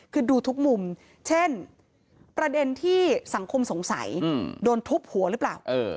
คือดูทุกมุมเช่นประเด็นที่สังคมสงสัยโดนทุบหัวหรือเปล่า